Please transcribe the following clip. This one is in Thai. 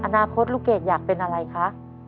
อนาคตลูกเกดอยากเป็นอะไรคะ